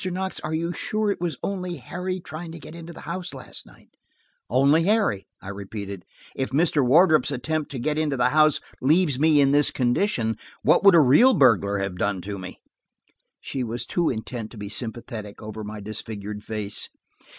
Knox, are you sure it was only Harry trying to get into the house last night ?" "Only Harry," I repeated. "If Mr. Wardrop's attempt to get into the house leaves me in this condition, what would a real burglar have done to me!" She was too intent to be sympathetic over my disfigured face.